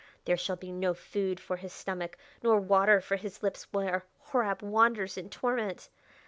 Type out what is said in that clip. There shall be no food for his stomach nor water for his lips where Horab wanders in torment....